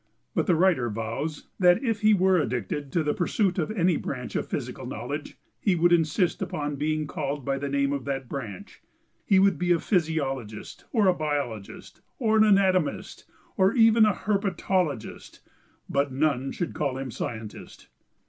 But the writer vows that if he were addicted to the pursuit of any branch of physical knowledge he would insist upon being called by the name of that branch. He would be a physiologist or a biologist or an anatomist or even a herpetologist, but none should call him "scientist."